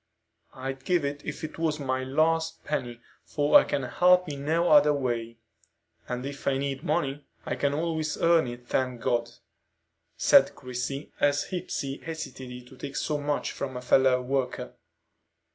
I'd give it if it was my last penny, for I can help in no other way; and if I need money, I can always earn it, thank God!" said Christie, as Hepsey hesitated to take so much from a fellow worker.